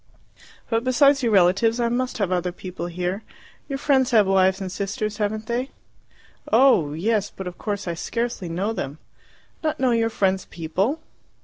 "But besides your relatives I must have other people here. Your friends have wives and sisters, haven't they?" "Oh, yes; but of course I scarcely know them." "Not know your friends' people?"